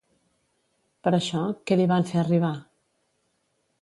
Per això, què li van fer arribar?